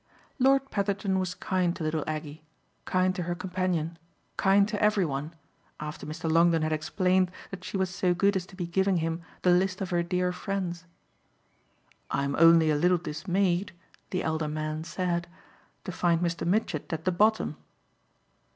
Lord Petherton was kind to little Aggie, kind to her companion, kind to every one, after Mr. Longdon had explained that she was so good as to be giving him the list of her dear friends. "I'm only a little dismayed," the elder man said, "to find Mr. Mitchett at the bottom."